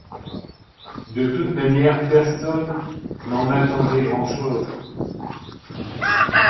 De toute manière, personne n’en attendait grand-chose.